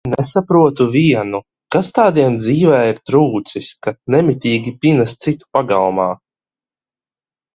Nesaprotu vienu, kas tādiem dzīvē ir trūcis, ka nemitīgi pinas citu pagalmā?